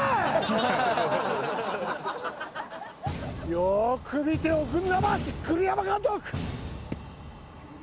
よく見ておくんなまし栗山監督！